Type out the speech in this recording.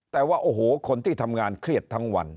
แต่ว่าโอ้โหคนที่ทำงานเครียดทั้งวัน